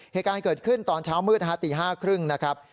เหตุการณ์เกิดขึ้นตอนเช้ามืดตี๕๓๐นะครับ